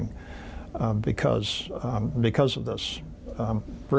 ในสตินี้